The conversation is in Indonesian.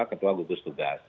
ketua kegugian tugas